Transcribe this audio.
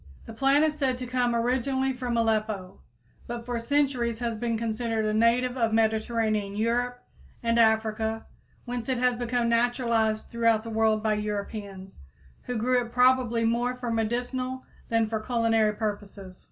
The plant is said to come originally from Aleppo, but for centuries has been considered a native of Mediterranean Europe and Africa, whence it has become naturalized throughout the world by Europeans, who grew it probably more for medicinal than for culinary purposes.